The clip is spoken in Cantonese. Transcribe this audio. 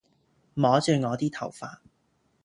摸住我啲頭髮